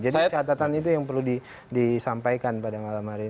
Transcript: jadi catatan itu yang perlu disampaikan pada malam hari ini